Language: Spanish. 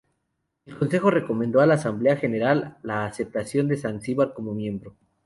El Consejo recomendó a la Asamblea General la aceptación de Zanzíbar como miembro.